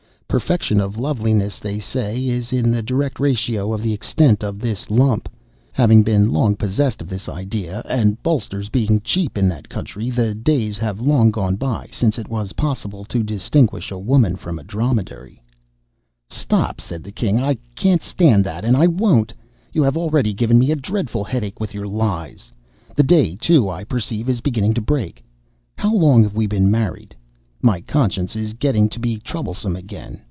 Perfection of loveliness, they say, is in the direct ratio of the extent of this lump. Having been long possessed of this idea, and bolsters being cheap in that country, the days have long gone by since it was possible to distinguish a woman from a dromedary—'" "Stop!" said the king—"I can't stand that, and I won't. You have already given me a dreadful headache with your lies. The day, too, I perceive, is beginning to break. How long have we been married?—my conscience is getting to be troublesome again.